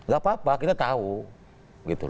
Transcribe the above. gak apa apa kita tahu